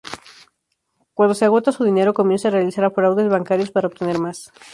Cuando se agota su dinero, comienza a realizar fraudes bancarios para obtener más.